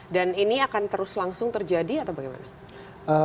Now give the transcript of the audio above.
dan ini akan terus langsung terjadi atau bagaimana